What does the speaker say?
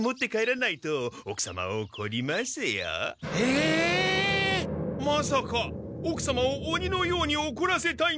まさかおくさまをオニのようにおこらせたいんですか？